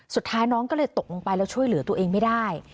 สุดท้ายน้องก็เลยตกลงไปแล้วช่วยเหลือตัวเองไม่ได้